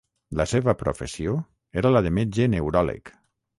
La seva professió era la de metge neuròleg.